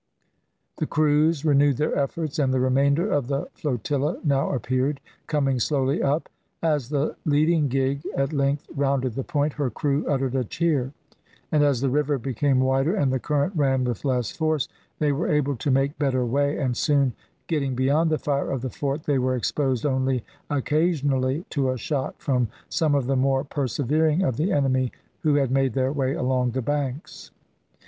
The crews renewed their efforts, and the remainder of the flotilla now appeared, coming slowly up. As the leading gig at length rounded the point, her crew uttered a cheer; and as the river became wider, and the current ran with less force, they were able to make better way, and soon getting beyond the fire of the fort, they were exposed only occasionally to a shot from some of the more persevering of the enemy who had made their way along the banks.